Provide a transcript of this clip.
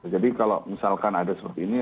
kalau misalkan ada seperti ini